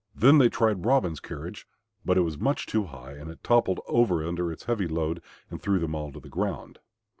Then they tried Robin's carriage, but it was much too high and it toppled over under its heavy load and threw them all to the ground.